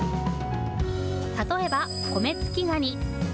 例えばコメツキガニ。